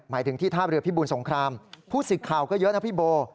หมายถึงที่ท่าเรือพิบูรสงครามผู้สิทธิ์ข่าวก็เยอะนะพี่โบ